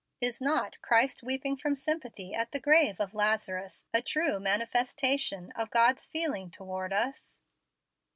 Is not Christ weeping from sympathy at the grave of Lazarus a true manifestation of God's feeling toward us?"